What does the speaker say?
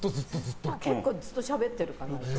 結構ずっとしゃべってる感じ。